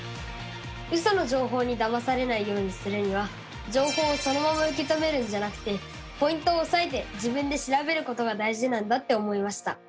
ウソの情報にだまされないようにするには情報をそのまま受け止めるんじゃなくてポイントをおさえて自分で調べることが大事なんだって思いました！